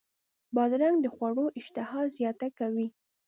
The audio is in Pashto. بادرنګ د خوړو اشتها زیاته کوي.